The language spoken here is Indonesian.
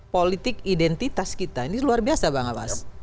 politik identitas kita ini luar biasa bang abbas